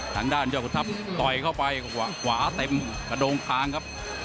ทางด้านเจ้าขุนทัพต่อยเข้าไปขวาเต็มกระโดงคางครับ